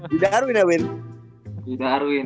di darwin di darwin